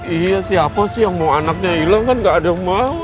iya siapa sih yang mau anaknya hilang kan gak ada yang mau